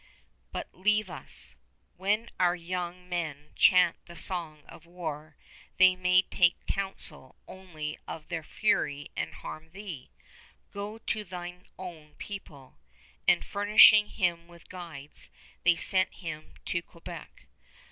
But leave us! When our young men chant the song of war they may take counsel only of their fury and harm thee! Go to thine own people"; and furnishing him with guides, they sent him to Quebec.